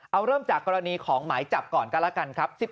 เอาเริ่มจากกรณีของหมายจับก่อนกันแล้วกันครับ